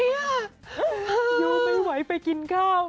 อยู่ไม่ไหวไปกินข้าว